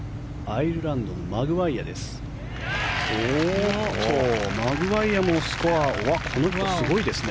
アイルランドのマグワイヤです。